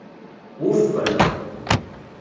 Wufqen.